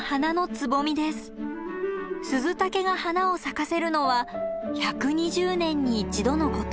スズタケが花を咲かせるのは１２０年に１度のこと。